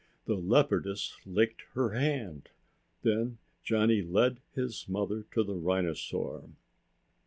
The leopardess licked her hand. Then Johnny led his mother to the rhinosaur.